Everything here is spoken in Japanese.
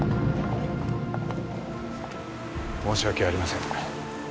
申し訳ありません。